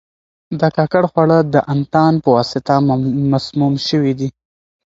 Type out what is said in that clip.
دا ککړ خواړه د انتان په واسطه مسموم شوي دي.